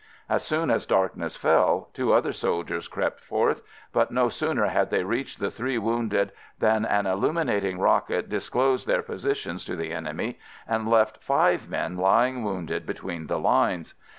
As soon as darkness fell, two other soldiers crept forth, but no sooner had they reached the three wounded than an illuminating rocket disclosed their positions to the enemy, and left five men lying wounded between the lines.